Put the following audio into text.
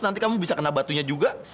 nanti kamu bisa kena batunya juga